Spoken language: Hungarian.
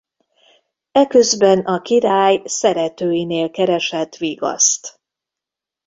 Eközben a király szeretőinél keresett vigaszt.